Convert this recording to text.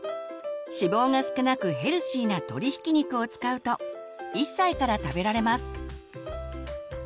脂肪が少なくヘルシーな鶏ひき肉を使うと１歳から食べられます。